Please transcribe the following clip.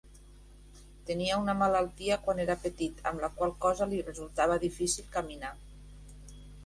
Tenia una malaltia quan era petit, amb la qual cosa li resultava difícil caminar.